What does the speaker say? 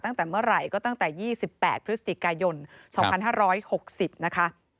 ตั้งแต่เมื่อไหร่ก็ตั้งแต่๒๘พฤศจิกายน๒๕๖๐นะคะ